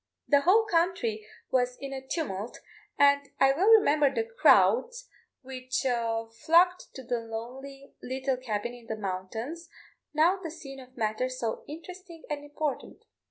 The whole country was in a tumult, and I well remember the crowds which flocked to the lonely little cabin in the mountains, now the scene of matters so interesting and important.